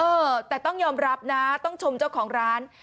เออแต่ต้องยอมรับนะต้องชมเจ้าของร้าน